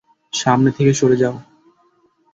সামনে থেকে সরে যাও!